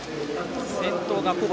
先頭は小堀。